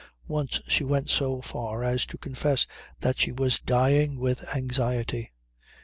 Once she went so far as to confess that she was dying with anxiety.